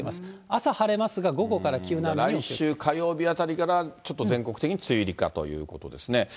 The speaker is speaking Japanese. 朝晴れますが、午後から急な雨に来週火曜日あたりから、ちょっと全国的に梅雨入りかということですね。